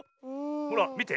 ほらみて。